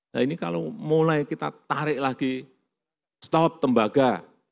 nah ini kalau mulai kita tarik lagi stop tembaga